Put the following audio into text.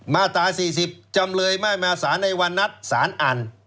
มาตรา๔๐จำเลยไม่มาสารในวันนัดสารอัน